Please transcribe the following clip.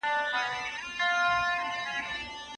د کرویاتو جوړول درې اونۍ وخت نیسي.